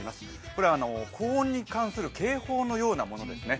これは高温に関する警報のようなものですね。